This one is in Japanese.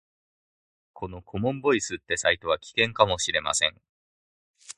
このコモンボイスってサイトは危険かもしれません